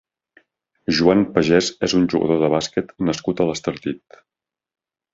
Joan Pagés és un jugador de bàsquet nascut a l'Estartit.